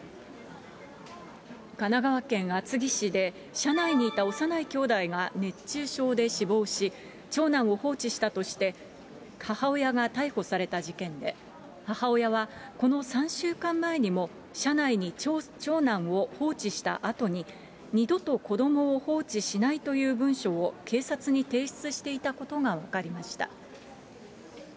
神奈川県厚木市で、車内にいた幼いきょうだいが熱中症で死亡し、長男を放置したとして、母親が逮捕された事件で、母親は、この３週間前にも車内に長男を放置したあとに、二度と子どもを放置しないという文書を警察に提出していたことが分かりました。